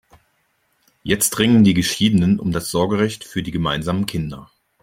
Jetzt ringen die Geschiedenen um das Sorgerecht für die gemeinsamen Kinder.